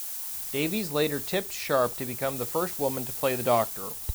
Davies later tipped Sharp to become the first woman to play the Doctor.